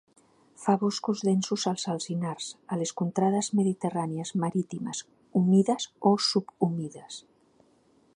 Fa boscos densos, els alzinars, a les contrades mediterrànies marítimes humides o subhumides.